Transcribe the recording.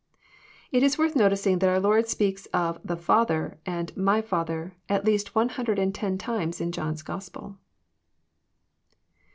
It is worth noticing that our Lord speaks of " the Father '* and '*My Father" at least one hundred and ten times in John's Gospel.